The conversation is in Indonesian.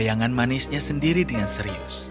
dia menunjukkan kepadanya sendiri dengan serius